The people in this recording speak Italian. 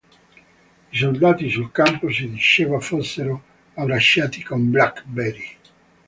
I soldati sul campo si diceva fossero "abbracciati con Black Betty".